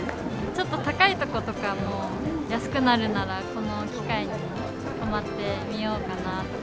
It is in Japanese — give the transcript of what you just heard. ちょっと高いとことかも、安くなるなら、この機会に泊まってみようかなと。